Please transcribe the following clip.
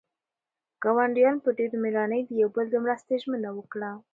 ګاونډیانو په ډېرې مېړانې د یو بل د مرستې ژمنه وکړه.